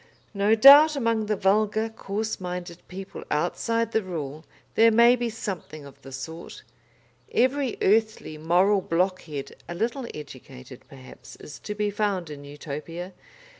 "No doubt among the vulgar, coarse minded people outside the Rule there may be something of the sort. Every earthly moral blockhead, a little educated, perhaps, is to be found in Utopia.